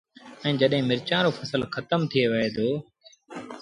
ائيٚݩ جڏهيݩ مرچآݩ رو ڦسل کتم ٿئي وهي دو